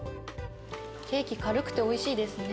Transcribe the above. ケーキ軽くておいしいですね。